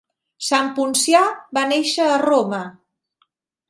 San Poncià va néixer a Roma.